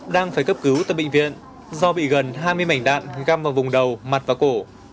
đang phải cấp cứu tại bệnh viện do bị gần hai mươi mảnh đạn găm vào vùng đầu mặt và cổ